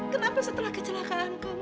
kenapa setelah kecelakaan kamu